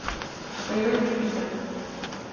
فَقِيلَ لَهُ فِي ذَلِكَ